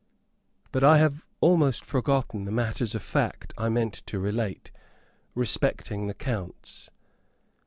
But I have almost forgotten the matters of fact I meant to relate, respecting the counts.